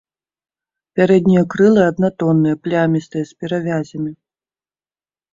Пярэднія крылы аднатонныя, плямістыя, з перавязямі.